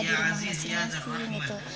di rumah nasi nasi gitu